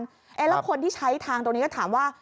แล้วคนที่ใช้ทางตรงนี้ก็ถามว่า